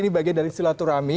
ini bagian dari silaturahmi